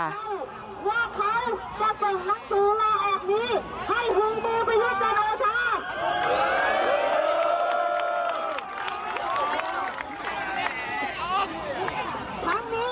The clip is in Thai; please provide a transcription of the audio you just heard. ว่าเขาจะเปิดมันสูงมาออกนี้